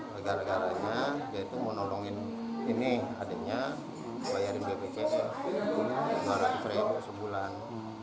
lega lega adiknya dia itu mau nolongin ini adiknya bayarin bpc lima ratus ribu sebulan